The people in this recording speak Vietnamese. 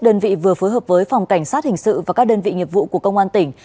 đơn vị vừa phối hợp với phòng cảnh sát hình sự và các đơn vị nghiệp vụ của công an tỉnh